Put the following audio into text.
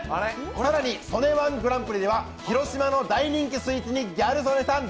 更に「曽根−１グランプリ」では広島の大人気スイーツにギャル曽根さん